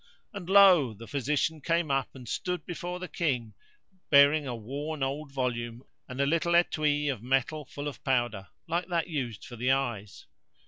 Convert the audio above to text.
And lo! the physician came up and stood before the King, bearing a worn old volume and a little etui of metal full of powder, like that used for the eyes.